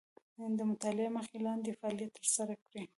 د مطالعې مخکې لاندې فعالیت تر سره کړئ.